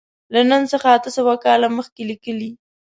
له نن څخه اته سوه کاله مخکې لیکلی.